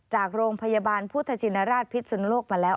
จากโรงพยาบาลพุทธชินราชพิษสุนโลกมาแล้ว